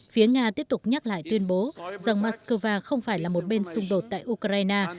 phía nga tiếp tục nhắc lại tuyên bố rằng moscow không phải là một bên xung đột tại ukraine